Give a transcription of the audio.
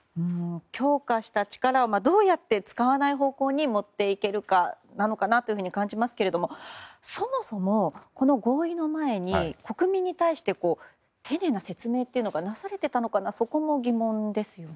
強化した力をどうやって使わない方向に持っていけるか、なのかなと感じますがそもそも、この合意の前に国民に対して丁寧な説明がなされていたのかそこも疑問ですよね。